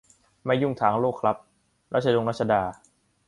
ไม่ยุ่งทางโลกครับ รัชดงรัชดา